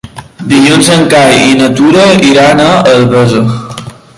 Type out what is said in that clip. Dilluns en Cai i na Tura iran a Albesa.